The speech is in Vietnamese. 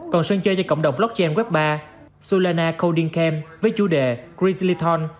còn sân chơi cho cộng đồng blockchain web ba sulana coding camp với chủ đề grizzlython